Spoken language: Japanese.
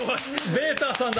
ベーターさんだ！